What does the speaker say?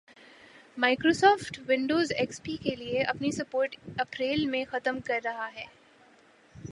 Microsoft, Windows XP پی کے لئے اپنی سپورٹ اپریل میں ختم کررہا ہے